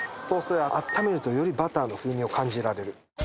トーストであっためるとよりバターの風味を感じられる。